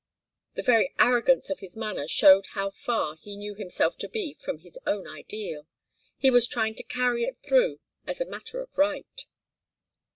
The very arrogance of his manner showed how far he knew himself to be from his own ideal. He was trying to carry it through as a matter of right.